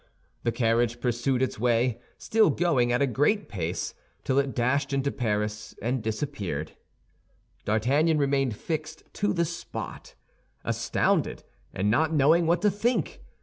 The carriage pursued its way, still going at a great pace, till it dashed into Paris, and disappeared. D'Artagnan remained fixed to the spot, astounded and not knowing what to think.